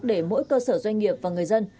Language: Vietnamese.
để mỗi cơ sở doanh nghiệp và người dân